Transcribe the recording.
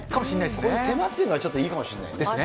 こういう手間っていうのはちょっといいかもしんないね。